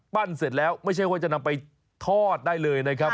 เสร็จแล้วไม่ใช่ว่าจะนำไปทอดได้เลยนะครับ